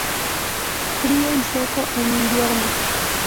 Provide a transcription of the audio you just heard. Frío y seco en invierno.